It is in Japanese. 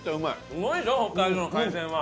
すごいでしょ北海道の海鮮は。